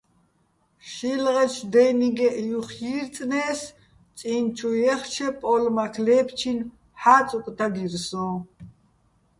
შილღეჩო̆ დე́ნიგეჸ ჲუხ ჲირწნე́ს, წი́ნ ჩუ ჲეხჩე პო́ლმაქ ლე́ფჩი́ნი̆ ჰ̦ა́წუგ დაგირ სოჼ.